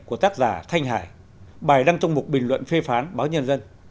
của tác giả thanh hải